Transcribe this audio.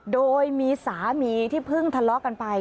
โดยมีสามีที่เพิ่งทะเลาะกันไป